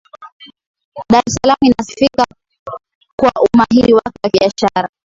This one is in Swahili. dar es salaam inasifika kwa umahiri wake wa kibiashara